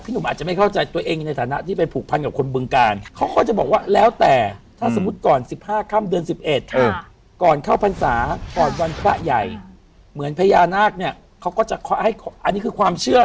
หนุ่มอาจจะไม่เข้าใจตัวเองในฐานะที่ไปผูกพันกับคนบึงการเขาก็จะบอกว่าแล้วแต่ถ้าสมมุติก่อน๑๕ค่ำเดือน๑๑ก่อนเข้าพรรษาก่อนวันพระใหญ่เหมือนพญานาคเนี่ยเขาก็จะให้อันนี้คือความเชื่อ